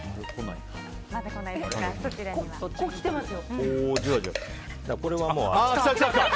来てますよ。